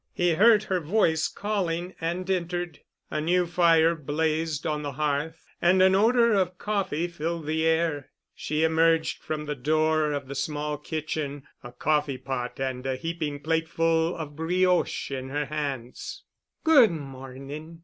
He heard her voice calling and entered. A new fire blazed on the hearth, and an odor of coffee filled the air. She emerged from the door of the small kitchen, a coffee pot and a heaping plateful of brioches in her hands. "Good morning!